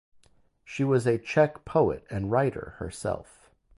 She was a Czech poet and writer herself.